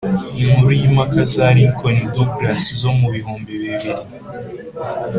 inkuru y'impaka za lincoln-douglas zo mu bihumbi bibiri